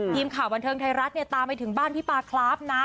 ทีมข่าวบันเทิงไทยรัฐเนี่ยตามไปถึงบ้านพี่ปลาครับนะ